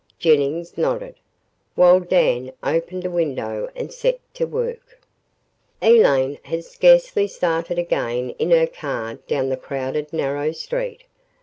Jennings nodded, while Dan opened a window and set to work. ........ Elaine had scarcely started again in her car down the crowded narrow street.